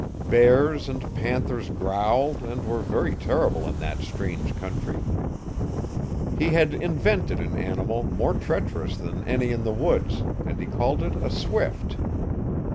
Bears and panthers growled and were very terrible in that strange country. He had invented an animal more treacherous than any in the woods, and he called it a swift.